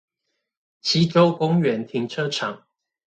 溪洲公園停車場